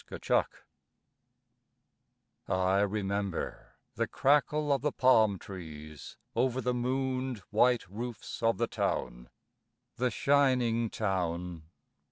A MEMORY I remember The crackle of the palm trees Over the mooned white roofs of the town... The shining town...